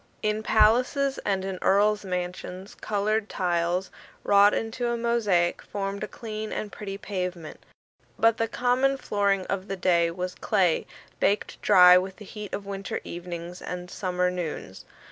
In palaces and in earls' mansions coloured tiles, wrought into a mosaic, formed a clean and pretty pavement; but the common flooring of the time was clay, baked dry with the heat of winter evenings and summer noons.